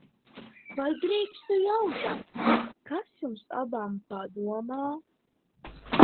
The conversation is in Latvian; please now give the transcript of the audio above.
Vai drīkstu jautāt, kas jums abām padomā?